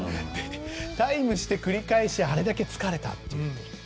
タイムして、繰り返してあれだけ疲れたという。